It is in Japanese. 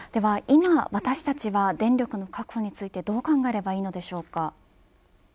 今、私たちは電力の確保についてどう考えればいいのでしょうか。